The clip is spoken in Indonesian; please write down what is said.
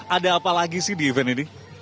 ada apa lagi sih di event ini